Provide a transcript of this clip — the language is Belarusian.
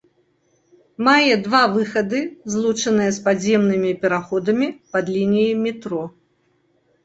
Мае два выхады, злучаныя з падземнымі пераходамі пад лініяй метро.